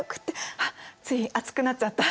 あっつい熱くなっちゃった。